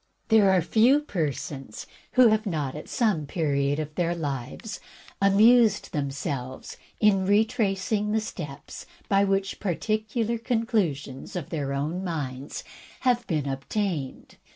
There are few persons who have not, at some period of their lives, amused themselves in retracing the steps by which particular conclu sions of their own minds have been attained.